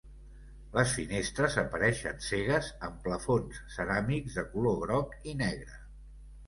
Les finestres apareixen cegues amb plafons ceràmics de color groc i negre.